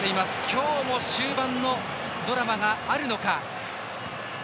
今日も終盤のドラマがあるのか。